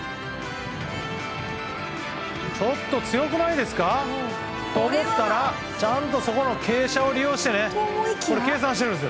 ちょっと強くないですか？と思ったらちゃんとそこの傾斜を利用して計算しているんですよ。